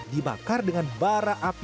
dibakar dengan bara api